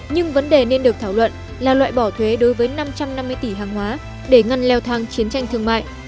nhưng vấn đề nên được thảo luận là loại bỏ thuế đối với năm trăm năm mươi tỷ hàng hóa để ngăn leo thang chiến tranh thương mại